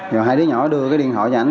rồi hai đứa nhỏ đưa cái điện thoại cho anh